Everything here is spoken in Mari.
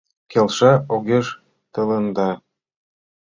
Келша-огеш тыланда —